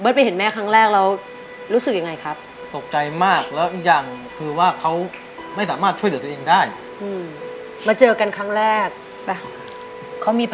ลูกก็กอดหนูหรอให้เก้าให้กำลังใจ